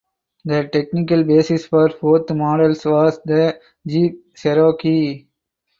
The technical basis for both models was the Jeep Cherokee.